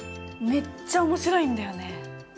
めっちゃ面白いんだよね。